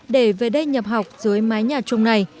để về đây nhập học dưới mái nhà chung này